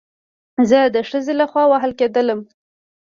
زه د خځې له خوا وهل کېدلم